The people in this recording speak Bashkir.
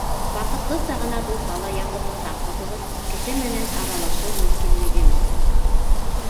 Ваҡытлыса ғына булһа ла яңғыҙлыҡтан ҡотолоп, кеше менән аралашыу мөмкинлегеме?